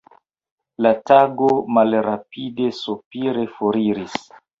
La tago malrapide sopire foriris.